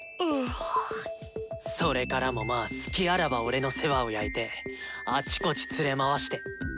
それからもまぁスキあらば俺の世話を焼いてあちこち連れ回して。